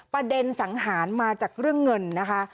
ประเด็นสังหารมาจากเรื่องเงินนะคะ